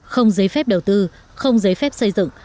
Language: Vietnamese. không giấy phép đầu tư không giấy phép xây dựng